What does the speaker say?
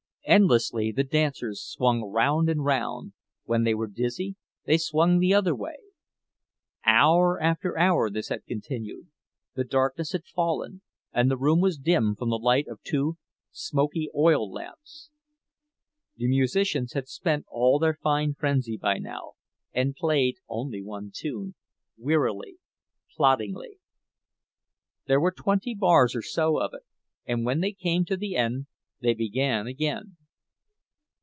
Endlessly the dancers swung round and round—when they were dizzy they swung the other way. Hour after hour this had continued—the darkness had fallen and the room was dim from the light of two smoky oil lamps. The musicians had spent all their fine frenzy by now, and played only one tune, wearily, ploddingly. There were twenty bars or so of it, and when they came to the end they began again.